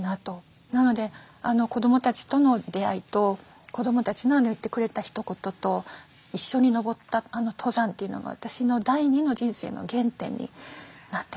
なので子どもたちとの出会いと子どもたちの言ってくれたひと言と一緒に登った登山というのが私の第２の人生の原点になってます。